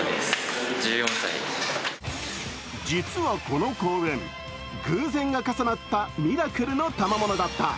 実はこの幸運、偶然が重なったミラクルのたまものだった。